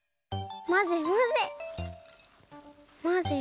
まぜまぜ。